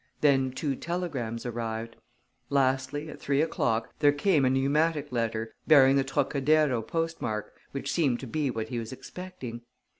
Then two telegrams arrived. Lastly, at three o'clock, there came a pneumatic letter, bearing the Trocadéro postmark, which seemed to be what he was expecting.